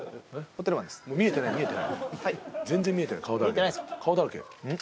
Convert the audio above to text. もう見えてない見えてない全然見えてない顔だらけ見えてないっすか